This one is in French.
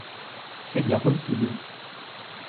C’est bien possible.